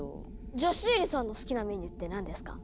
じゃあシエリさんの好きなメニューって何ですか？